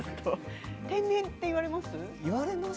天然と言われます？